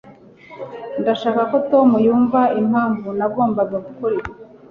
ndashaka ko tom yumva impamvu nagombaga gukora ibi